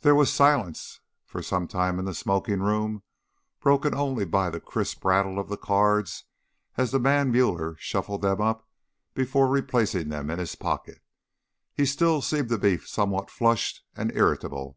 There was silence for some time in the smoking room, broken only by the crisp rattle of the cards, as the man Müller shuffled them up before replacing them in his pocket. He still seemed to be somewhat flushed and irritable.